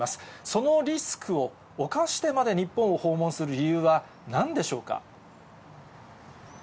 そのリスクをおかしてまで日本を訪問する理由はなんでしょうか。